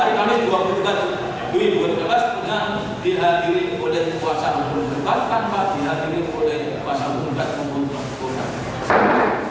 pas dengan dihadiri kode kuasa hukum berhubungan tanpa dihadiri kode kuasa hukum berhubungan